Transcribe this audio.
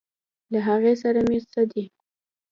له هغې سره مې څه دي.